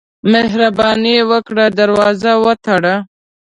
مهرباني وکړه، دروازه وتړه.